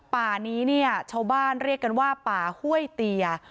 ป่านี้เนี่ยชาวบ้านเรียกกันว่าป่าห้วยเตีย